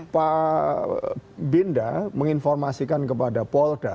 pak binda menginformasikan kepada polda